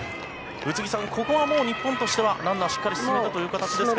宇津木さん、日本としてはランナーをしっかり進めたという形ですか。